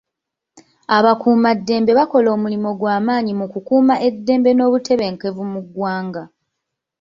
Abakuumaddembe bakola omulimu gw'amaanyi mu kukuuma eddembe n'obutebenkevu mu ggwanga.